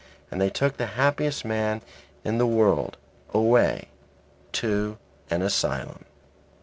And they took the happiest man in the world away to an asylum.